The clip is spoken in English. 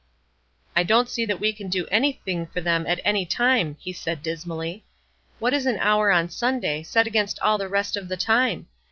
"I don't see that we can do anything for them at any time," he said, dismally. "What is an hour on Sunday, set against all the rest of the time?